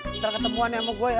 ntar ketemuannya sama gue ya